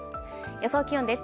予想気温です。